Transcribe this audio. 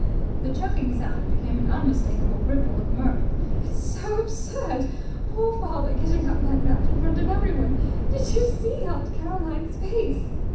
The choking sound became an unmistakable ripple of mirth. "It's so absurd! Poor father getting up like that in front of everyone! Did you see Aunt Caroline's face?"